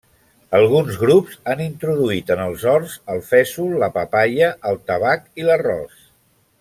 Alguns grups han introduït en els horts el fesol, la papaia, el tabac i l'arròs.